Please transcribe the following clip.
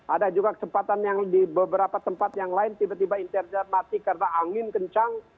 ada juga kesempatan yang di beberapa tempat yang lain tiba tiba internet mati karena angin kencang